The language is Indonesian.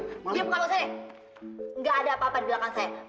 kamu tidur kamu saja nggak ada papa di belakang saya